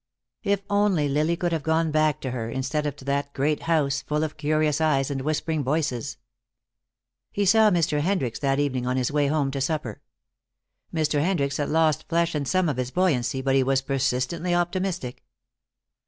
If only Lily could have gone back to her, instead of to that great house, full of curious eyes and whispering voices. He saw Mr. Hendricks that evening on his way home to supper. Mr. Hendricks had lost flesh and some of his buoyancy, but he was persistently optimistic.